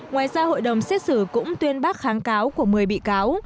ngoài ra hội đồng xét xử cũng tuyên bác kháng cáo của một mươi bị cáo